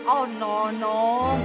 oh tidak tidak